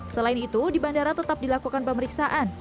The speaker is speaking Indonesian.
selain itu di bandara tetap dilakukan pemeriksaan